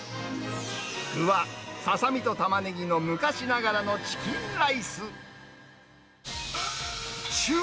具は、ササミとタマネギの昔ながらのチキンライス。